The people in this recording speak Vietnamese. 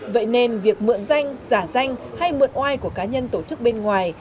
vậy nên việc mượn danh giả danh hay mượn oai của cá nhân tổ chức bên ngoài